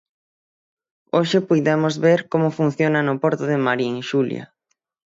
Hoxe puidemos ver como funciona no porto de Marín, Xulia.